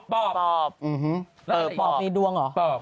ปอบมีดวงเหรอ